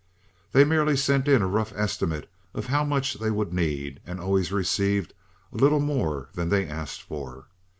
They merely sent in a rough estimate of how much they would need, and always received a little more than they asked for.